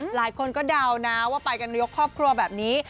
หลายคนก็เดานะว่าไปกันยกครอบครัวแบบนี้